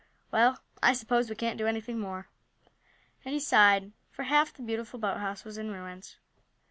Well, I suppose we can't do anything more," and he sighed, for half the beautiful boathouse was in ruins.